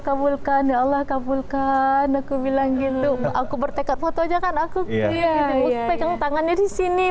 kabulkan ya allah kabulkan aku bilangin lo aku bertekad foto aja kan aku ya tak tangannya di sini